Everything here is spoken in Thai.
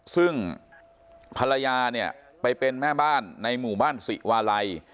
ซึ่งภรรยาเนี่ยไปเป็นแม่บ้านในหมู่บ้านศิวาลัย